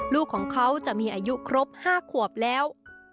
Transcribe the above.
ลูกของเขาจะมีอายุครบ๕ขวบแล้ว